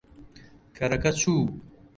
کەرەکە چوو.